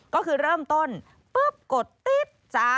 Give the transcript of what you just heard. ก็คือเริ่มต้นกดติ๊ด